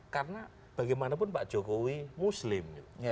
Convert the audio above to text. karena bagaimanapun pak jokowi muslim